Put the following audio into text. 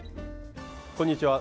こんにちは。